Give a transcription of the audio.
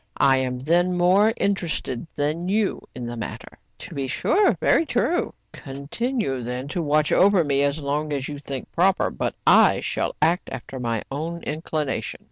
I am, then, more interested than you in the matter. "To be sure.'* " Very true.*' " Continue, then, to watch over me as long as you think proper ; but I shall act after my own inclination.